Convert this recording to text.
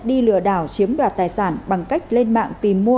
đi lừa đảo chiếm đoạt tài sản bằng cách lên mạng tìm mua